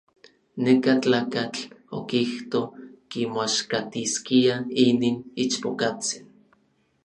Neka tlakatl okijto kimoaxkatiskia inin ichpokatsin.